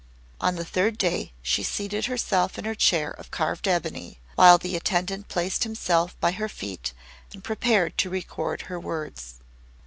On the third day she seated herself in her chair of carved ebony, while the attendant placed himself by her feet and prepared to record her words.